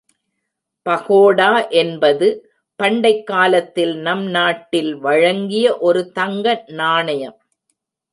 பகோடா என்பது பண்டைக்காலத்தில் நம் நாட்டில் வழங்கிய ஒரு தங்க நாணயம்.